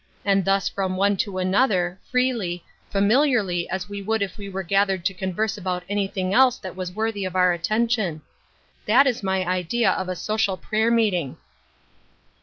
' and thus from one to another, freely, familiarly as we would if we were gathered to converse about anvthing else that was worthy of our attention. That is my idea of a social prayer meeting."